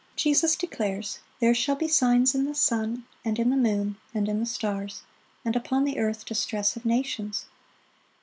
Jesus declares, "There shall be signs in the sun, and in the moon, and in the stars; and upon the earth distress of nations."